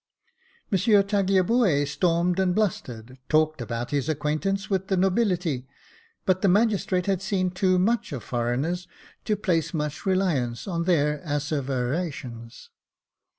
Monsieur Tagliabue stormed and blustered, talked about his acquaintance with the nobility ; but the magistrate had seen too much of foreigners to place much reliance on their asseverations.